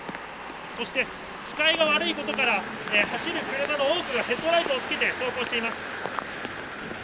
そして視界が悪いことから、走る車の多くがヘッドライトをつけて走行しています。